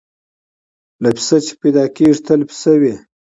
له پسه چي پیدا کیږي تل پسه وي